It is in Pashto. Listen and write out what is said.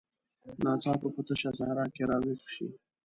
ناڅاپه په تشه صحرا کې راویښ شي.